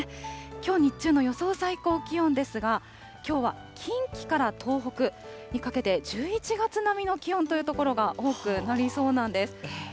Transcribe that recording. きょう日中の予想最高気温ですが、きょうは近畿から東北にかけて、１１月並みの気温という所が多くなりそうなんです。